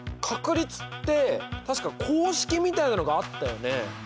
確率って確か公式みたいなのがあったよね？